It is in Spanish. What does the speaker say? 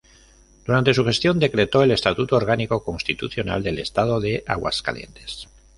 Durante su gestión decretó el Estatuto Orgánico Constitucional del Estado de Aguascalientes.